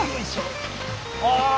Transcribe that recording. ああ！